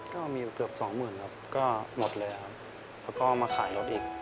ก็มีอยู่เกือบสองหมื่นครับก็หมดเลยครับแล้วก็มาขายรถอีก